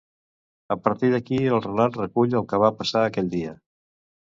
A partir d'aquí el relat recull el que va passar aquell dia.